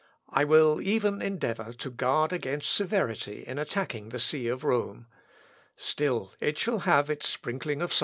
I will even endeavour to guard against severity in attacking the see of Rome. Still it shall have its sprinkling of salt."